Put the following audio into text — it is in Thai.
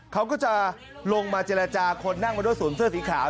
เขาก็จะลงมาเจรจาคนนั่งมาด้วยสวมเสื้อสีขาว